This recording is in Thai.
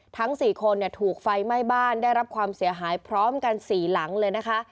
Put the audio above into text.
ทั้ง๔คนถูกไฟไหม้บ้านได้รับความเสียหายพร้อมกัน๔หลังเลยนะคะ